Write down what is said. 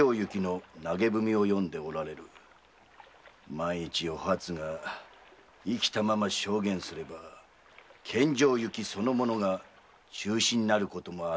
万一お初が生きたまま証言すれば献上雪そのものが中止になることもありうる。